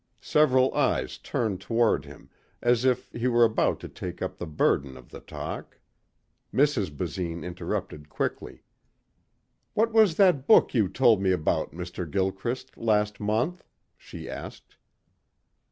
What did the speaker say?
Several eyes turned toward him as if he were about to take up the burden of the talk. Mrs. Basine interrupted quickly. "What was that book you told me about, Mr. Gilchrist, last month?" she asked.